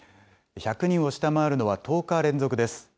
１００人を下回るのは１０日連続です。